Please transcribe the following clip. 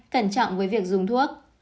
hai cẩn trọng với việc dùng thuốc